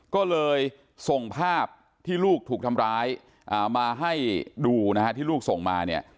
ก็เลยส่งภาพที่ลูกถูกทำร้ายมาให้ดูนะฮะที่ลูกส่งมาเนี่ย